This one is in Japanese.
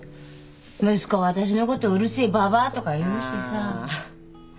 息子は私のこと「うるせえばばあ」とか言うしさ。